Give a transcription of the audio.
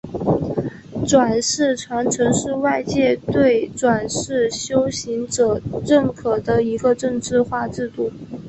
转世传承是外界对转世修行者认可的一个政治化制度。